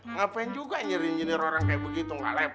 ngapain juga nyirin jenir orang kayak begitu nggak level